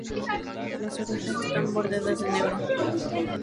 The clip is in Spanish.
Las orejas están bordeadas de negro.